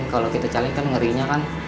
kalau kita cari kan ngerinya kan